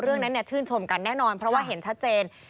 เรื่องนั้นชื่นชมกันแน่นอนเพราะว่าเห็นชัดเจน